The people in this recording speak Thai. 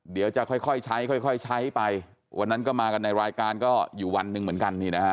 เดี๋ยวจะค่อยใช้ค่อยใช้ไปวันนั้นก็มากันในรายการก็อยู่วันหนึ่งเหมือนกันนี่นะฮะ